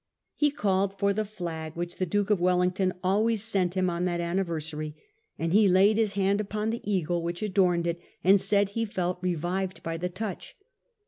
He called for the flag which the Duke of Wellington always sent him on that anni versary, and he laid his hand upon the eagle which adorned it, and said he felt revived by the touch.